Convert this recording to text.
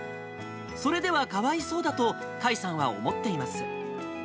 それではかわいそうだと、甲斐さんは思っています。